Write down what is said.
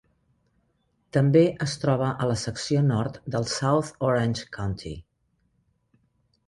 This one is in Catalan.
També es troba a la secció nord del South Orange County.